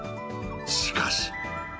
しかし